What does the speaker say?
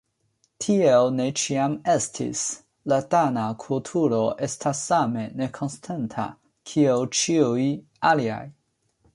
Tiel ne ĉiam estis – la Dana kulturo estas same nekonstanta kiel ĉiuj aliaj.